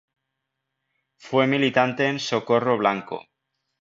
Fue militante en Socorro Blanco.